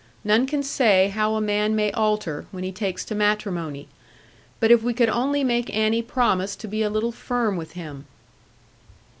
None can say how a man may alter; when he takes to matrimony. But if we could only make Annie promise to be a little firm with him!'